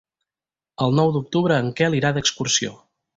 El nou d'octubre en Quel irà d'excursió.